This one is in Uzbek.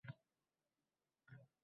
Iltimos. Mana, meni aytdi dersiz.